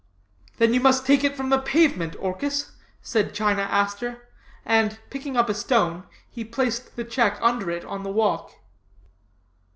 "'Then you must take it from the pavement, Orchis,' said China Aster; and, picking up a stone, he placed the check under it on the walk.